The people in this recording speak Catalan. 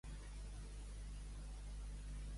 El va produir Walter Wanger.